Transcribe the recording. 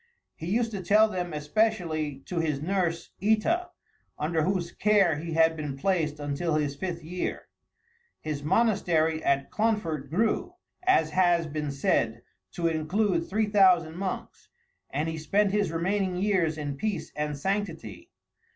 He used to tell them especially to his nurse Ita, under whose care he had been placed until his fifth year. His monastery at Clonfert grew, as has been said, to include three thousand monks; and he spent his remaining years in peace and sanctity.